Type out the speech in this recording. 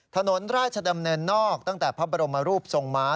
ถนนราชดำเนินนอกตั้งแต่พระบรมรูปทรงม้า